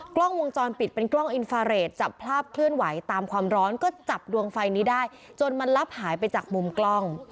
กล้องวงจรปิดเป็นกล้องอินฟาเรทจับภาพเคลื่อนไหวตามความร้อนก็จับดวงไฟนี้ได้จนมันลับหายไปจากมุมกล้อง